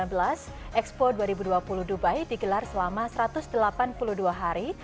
expo dua ribu dua puluh dubai digelar selama satu ratus delapan puluh dua hari